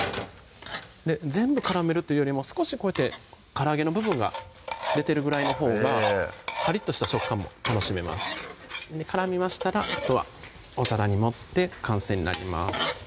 全部絡めるというよりも少しこうやってから揚げの部分が出てるぐらいのほうがカリッとした食感も楽しめます絡みましたらあとはお皿に盛って完成になります